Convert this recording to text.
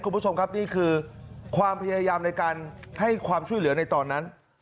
คุณผู้ชมครับนี่คือความพยายามในการให้ความช่วยเหลือในตอนนั้น